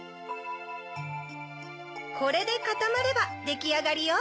これでかたまればできあがりよ。